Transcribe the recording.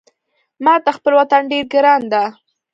ماته خپل وطن ډېر ګران ده